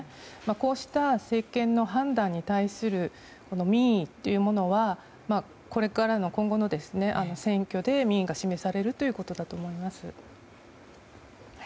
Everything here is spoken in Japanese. こうした政権の判断に対する民意というものはこれからの今後の選挙で民意が示されるということだと思います。